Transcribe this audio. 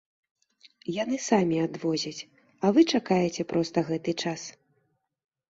Яны самі адвозяць, а вы чакаеце проста гэты час.